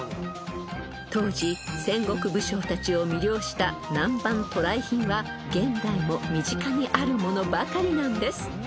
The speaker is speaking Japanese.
［当時戦国武将たちを魅了した南蛮渡来品は現代も身近にあるものばかりなんです］